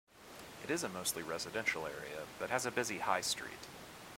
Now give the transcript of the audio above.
It is a mostly residential area, but has a busy high street.